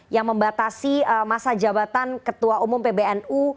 yang membatasi masa jabatan ketua umum pbnu